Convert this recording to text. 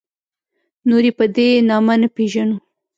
نور یې په دې نامه نه پېژنو.